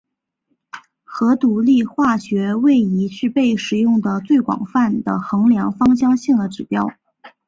核独立化学位移是被使用得最广泛的衡量芳香性的指标。